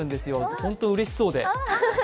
本当にうれしそうで。